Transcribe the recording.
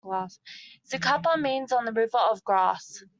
Zacapa means on the river of grass.